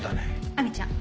亜美ちゃん。